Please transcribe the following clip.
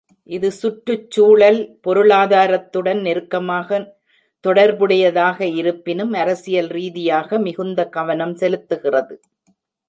இது சுற்றுச்சூழல் பொருளாதாரத்துடன் நெருக்கமாக தொடர்புடையதாக இருப்பினும் அரசியல் ரீதியாக மிகுந்த கவனம் செலுத்துகிறது.